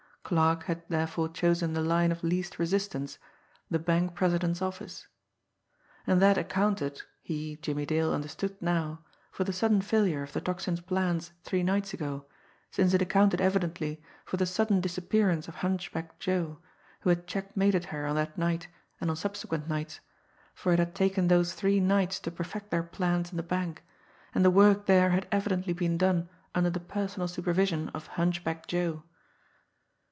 Clarke had therefore chosen the line of least resistance the bank president's office! And that accounted, he, Jimmie Dale, understood now, for the sudden failure of the Tocsin's plans three nights ago, since it accounted evidently for the sudden disappearance of Hunchback Joe, which had checkmated her on that night and on subsequent nights for it had taken those three nights to perfect their plans in the bank, and the work there had evidently been done under the personal supervision of Hunchback Joe.